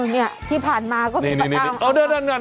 นี่ที่ผ่านมาก็มีปัญหามาก